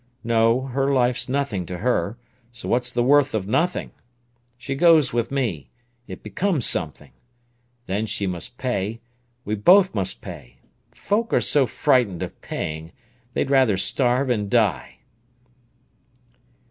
No; her life's nothing to her, so what's the worth of nothing? She goes with me—it becomes something. Then she must pay—we both must pay! Folk are so frightened of paying; they'd rather starve and die."